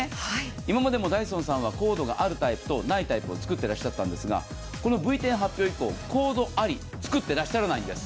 今までもダイソンさんはコードがあるタイプとないタイプを作ってらっしゃったんですが、このＶ１０発表以降、コードありを作っていらっしゃらないんです。